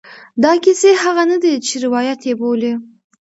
دا کیسې هغه نه دي چې روایت یې بولي.